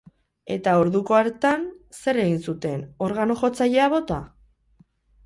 Eta orduko hartan zer egin zuten, organo-jotzailea bota?